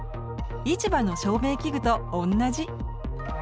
市場の照明器具と同じ。